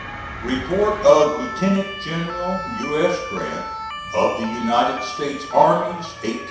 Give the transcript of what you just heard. REPORT OF LIEUTENANT GENERAL U. S. GRANT, OF THE UNITED STATES ARMIES 1864 65.